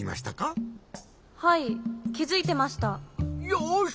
よし！